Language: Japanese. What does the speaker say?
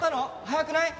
早くない？